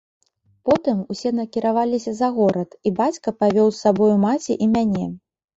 Потым усе накіраваліся за горад, і бацька павёў з сабою маці і мяне.